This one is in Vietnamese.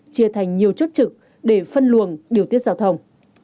chia thành nhiều chốt trực để phân luồng điều tiết giao thông